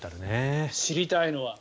知りたいのは。